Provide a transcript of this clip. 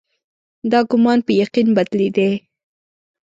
دا ګومان په یقین بدلېدی.